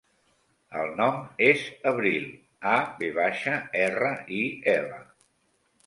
El nom és Avril: a, ve baixa, erra, i, ela.